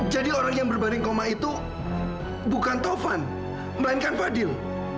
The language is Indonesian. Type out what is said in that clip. orang yang berbaring koma itu bukan tovan melainkan fadil